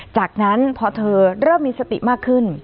จากนั้นพอเธอเริ่มมีสติมากขึ้น